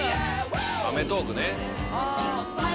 『アメトーーク』ね。